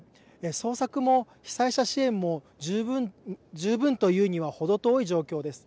捜索も被災者支援も十分と言うには程遠い状況です。